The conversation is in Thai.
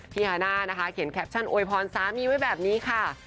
ฮาน่านะคะเขียนแคปชั่นโวยพรสามีไว้แบบนี้ค่ะ